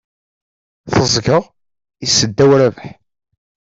Teẓẓgeɣ, issedaw Rabaḥ.